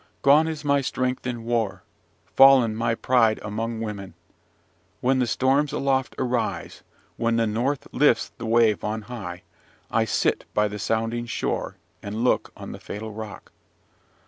Gone is my strength in war, fallen my pride among women. When the storms aloft arise, when the north lifts the wave on high, I sit by the sounding shore, and look on the fatal rock.